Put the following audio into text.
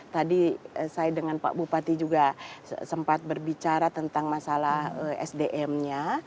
tadi saya dengan pak bupati juga sempat berbicara tentang masalah sdm nya